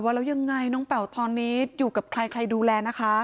แล้วยังไงน้องเป่าตอนนี้อยู่กับใครใครดูแลนะคะ